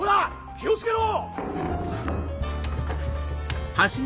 気をつけろ！